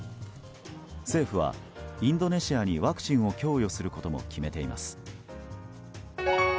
政府はインドネシアにワクチンを供与することも決めています。